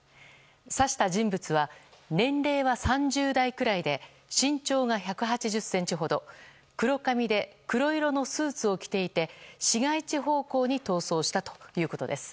刺した人物は年齢は３０代くらいで身長が１８０ｃｍほど黒髪で黒色のスーツを着ていて市街地方向に逃走したということです。